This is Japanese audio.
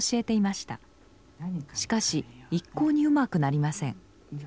しかし一向にうまくなりません。